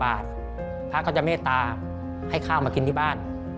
พระพินทบาทเขาจะเมฆตาให้ข้าวมากินที่บ้าน